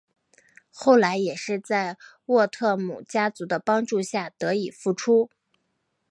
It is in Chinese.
后来也是在沃特姆家族的帮助下得以复出。